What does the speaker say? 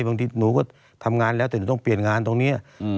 บางทีหนูก็ทำงานแล้วแต่หนูต้องเปลี่ยนงานตรงนี้